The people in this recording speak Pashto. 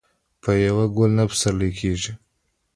په یو ګل نه پسرلې کیږي.